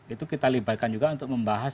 itu kita libatkan juga untuk membahas